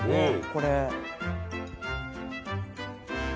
これ。